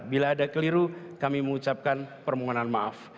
bila ada keliru kami mengucapkan permohonan maaf